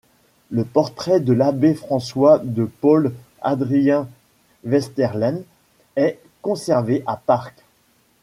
Le portrait de l'abbé François de Paule Adrien Versteylen est conservé à Parc.